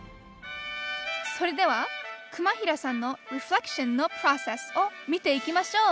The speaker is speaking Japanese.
それでは熊平さんのリフレクションのプロセスを見ていきましょう！